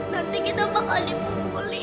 nanti kita bakal dipukulin